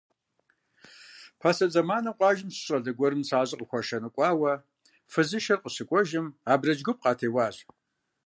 Пасэ зэманым къуажэм щыщ щӀалэ гуэрым нысащӀэ къыхуашэну кӀуауэ, фызышэр къыщыкӀуэжым, абрэдж гуп къатеуащ.